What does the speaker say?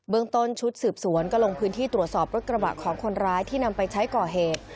เมืองต้นชุดสืบสวนก็ลงพื้นที่ตรวจสอบรถกระบะของคนร้ายที่นำไปใช้ก่อเหตุ